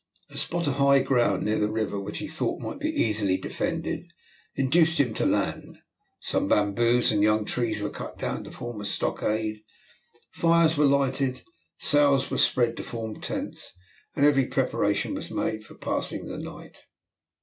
A spot of high ground near the river which he thought might be easily defended induced him to land. Some bamboos and young trees were cut down to form a stockade, fires were lighted, sails were spread to form tents, and every preparation was made for passing the night.